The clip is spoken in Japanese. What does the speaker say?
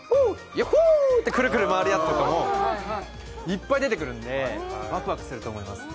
Ｙａｈｏｏ！ってくるくる回るやつとかもはいはいいっぱい出てくるんでわくわくすると思います